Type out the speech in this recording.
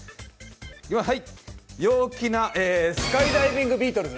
陽気なスカイダイビングビートルズ。